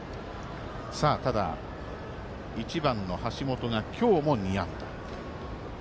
ただ、１番の橋本が今日も２安打。